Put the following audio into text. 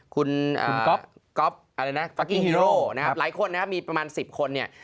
คุณก๊อบอะไรนะฟักกิ้งฮีโร่หลายคนนะครับมีประมาณ๑๐คน